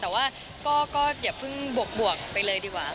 แต่ว่าก็อย่าเพิ่งบวกไปเลยดีกว่า